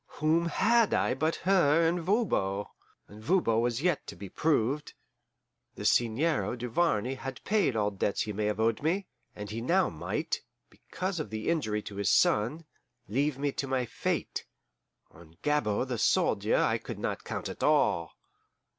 Whom had I but her and Voban! and Voban was yet to be proved. The Seigneur Duvarney had paid all debts he may have owed me, and he now might, because of the injury to his son, leave me to my fate. On Gabord the soldier I could not count at all.